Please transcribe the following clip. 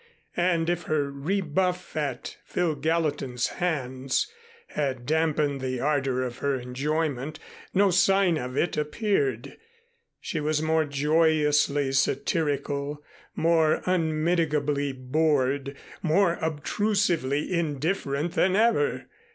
And if her rebuff at Phil Gallatin's hands had dampened the ardor of her enjoyment, no sign of it appeared. She was more joyously satirical, more unmitigably bored, more obtrusively indifferent than ever.